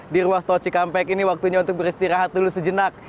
di ruas tol cikampek ini waktunya untuk beristirahat dulu sejenak